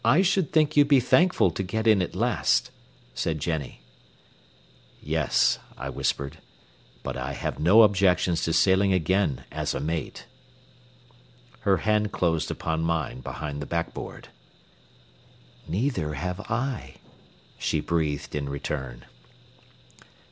"I should think you'd be thankful to get in at last," said Jennie. "Yes," I whispered; "but I have no objections to sailing again as a mate." Her hand closed upon mine behind the backboard. "Neither have I," she breathed in return.